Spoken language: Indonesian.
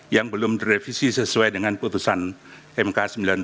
yang belum direvisi sesuai dengan putusan mk sembilan puluh sembilan